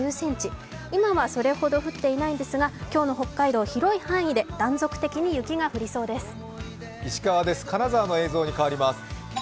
今はそれほど降っていないですが、今日の北海道広い範囲で断続的に雪が降りそうです。